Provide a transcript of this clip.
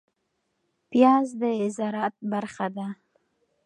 پياز د زراعت برخه ده